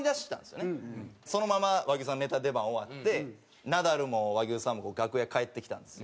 そのまま和牛さんのネタ出番終わってナダルも和牛さんも楽屋帰ってきたんですよ。